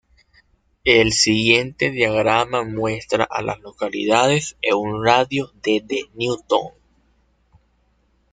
El siguiente diagrama muestra a las localidades en un radio de de Newton.